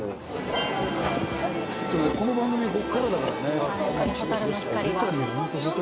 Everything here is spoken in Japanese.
この番組こっからだからね。